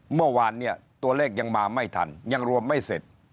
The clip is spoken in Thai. เมื่อวานเนี่ยตัวเลขยังมาไม่ทันยังรวมไม่เสร็จ